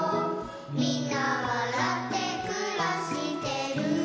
「みんなわらってくらしてる」